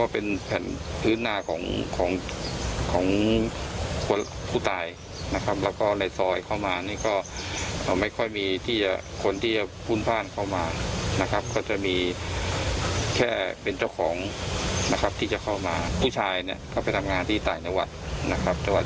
ผู้ตายผู้หญิงเนี่ยก็อยู่ที่นี่นะครับ